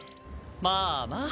まあまあ。